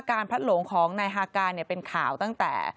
พลัดหลงของนายฮาการเป็นข่าวตั้งแต่